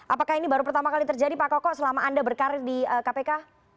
apakah ini baru pertama kali terjadi pak koko selama anda berkarir di kpk